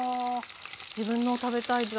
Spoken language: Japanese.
自分の食べたいだけ。